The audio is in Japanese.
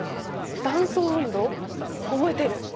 断層運動？覚えてる。